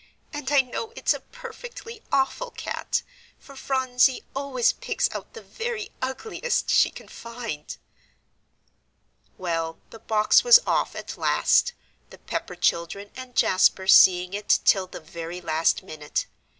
"And I know it's a perfectly awful cat, for Phronsie always picks out the very ugliest she can find." Well, the box was off, at last, the Pepper children and Jasper seeing it till the very last minute.